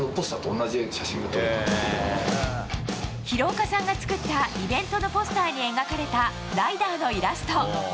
廣岡さんが作ったイベントのポスターに描かれたライダーのイラスト。